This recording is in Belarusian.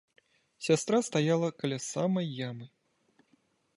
Сястра стаяла каля самай ямы.